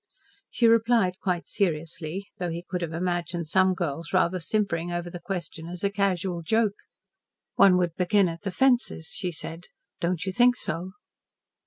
She replied quite seriously, though he could have imagined some girls rather simpering over the question as a casual joke. "One would begin at the fences," she said. "Don't you think so?"